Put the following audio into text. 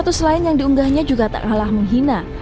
status status lain yang diunggahnya juga tak alah menghina